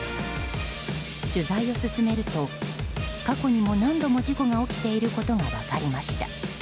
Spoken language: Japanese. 取材を進めると、過去にも何度も事故が起きていることが分かりました。